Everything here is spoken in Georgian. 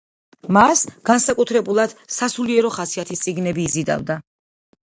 მას განსაკუთრებულად სასულიერო ხასიათის წიგნები იზიდავდა.